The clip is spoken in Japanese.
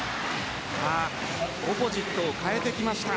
オポジットを代えてきました。